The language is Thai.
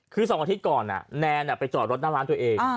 คือ๒อาทิตย์ก่อนแนนไปจอดรถหน้าร้านตัวเอง